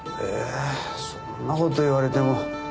そんな事言われても。